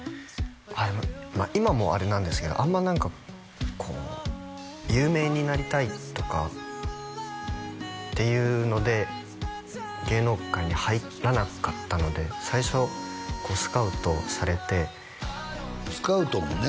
あっでも今もあれなんですけどあんま何かこう有名になりたいとかっていうので芸能界に入らなかったので最初こうスカウトされてスカウトもね